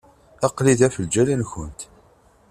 Aql-i da ɣef lǧal-nkent.